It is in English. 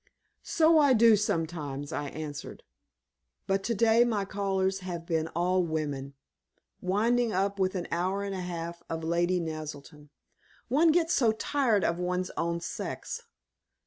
"So I do sometimes," I answered; "but to day my callers have been all women, winding up with an hour and a half of Lady Naselton. One gets so tired of one's own sex!